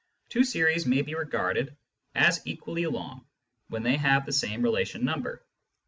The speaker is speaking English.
Two series may be regarded as equally long when they have the same relation number.